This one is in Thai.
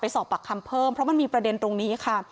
สอบปากคำเพิ่มเพราะมันมีประเด็นตรงนี้ค่ะ